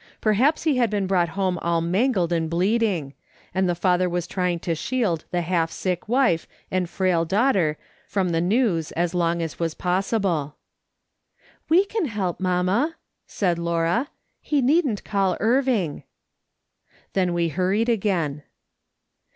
Perhaps he had been brought home all mangled and bleeding, and the father was trying to shield the half sick wife and frail daughter from the news as long as was possible. " We, can help, mamma," said Laura. " He needn't call Irving." Then we hurried again.